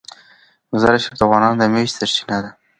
مزارشریف د افغانانو د معیشت سرچینه ده.